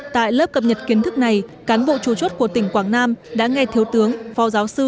tại lớp cập nhật kiến thức này cán bộ chủ chốt của tỉnh quảng nam đã nghe thiếu tướng phó giáo sư